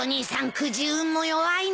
くじ運も弱いなあ。